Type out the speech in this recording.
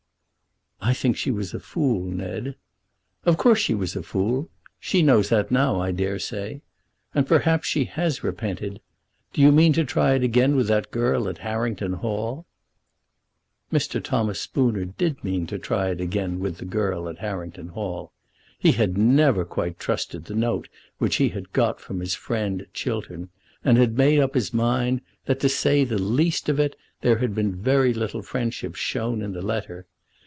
"I think she was a fool, Ned." "Of course she was a fool. She knows that now, I dare say. And perhaps she has repented. Do you mean to try it again with that girl at Harrington Hall?" Mr. Thomas Spooner did mean to try it again with the girl at Harrington Hall. He had never quite trusted the note which he had got from his friend Chiltern, and had made up his mind that, to say the least of it, there had been very little friendship shown in the letter.